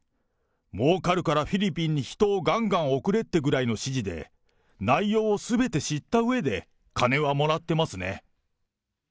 もうかるからフィリピンに人をがんがん送れってぐらいの指示で、内容をすべて知ったうえで金はもらってますね。